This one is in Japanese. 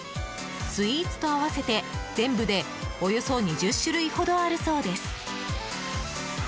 スイーツと合わせて全部でおよそ２０種類ほどあるそうです。